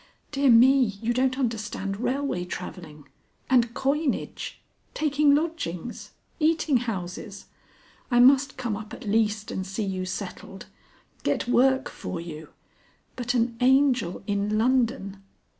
Dear me! you don't understand railway travelling! And coinage! Taking lodgings! Eating houses! I must come up at least and see you settled. Get work for you. But an Angel in London!